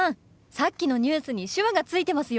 さっきのニュースに手話がついてますよ！